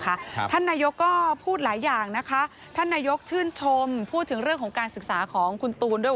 ท่านนายกก็พูดหลายอย่างนะคะท่านนายกชื่นชมพูดถึงเรื่องของการศึกษาของคุณตูนด้วย